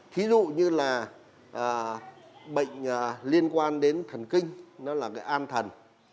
thí dụ như là bệnh liên quan đến thần kinh nó là an thần